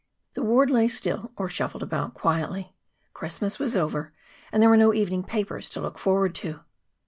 The ward lay still or shuffled abut quietly. Christmas was over, and there were no evening papers to look forward to.